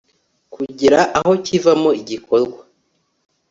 kugera aho kivamo igikorwa